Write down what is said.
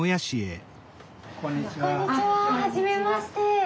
こんにちははじめまして。